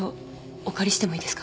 お借りしてもいいですか？